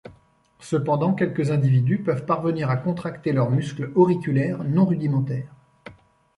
Cependant quelques individus peuvent parvenir à contracter leurs muscles auriculaires non rudimentaire.